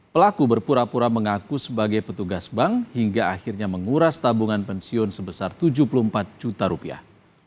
pelaku berpura pura mengaku sebagai petugas bank hingga akhirnya menguras tabungan pensiun sebesar tujuh puluh empat juta rupiah